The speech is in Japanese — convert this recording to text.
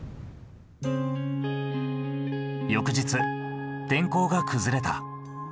翌日天候が崩れた。